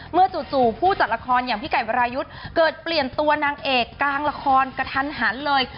จู่ผู้จัดละครอย่างพี่ไก่วรายุทธ์เกิดเปลี่ยนตัวนางเอกกลางละครกระทันหันเลย